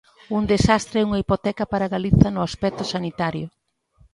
Un desastre e unha hipoteca para Galiza no aspecto sanitario.